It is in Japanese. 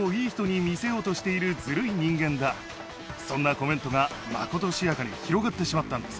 そんなコメントがまことしやかに広がってしまったんです。